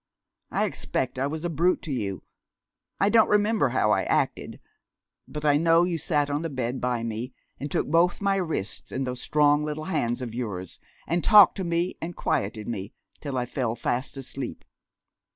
I expect I was a brute to you I don't remember how I acted but I know you sat on the bed by me and took both my wrists in those strong little hands of yours, and talked to me and quieted me till I fell fast asleep.